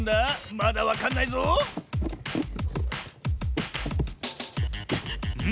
まだわかんないぞん？